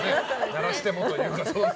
鳴らしてもというか。